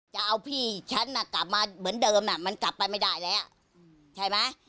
จะเอาพี่ฉันกลับมาเหมือนเดิมมันกลับไปไม่ได้แล้วใช่ไหม